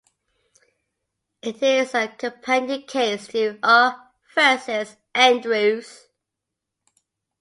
It is a companion case to "R v Andrews".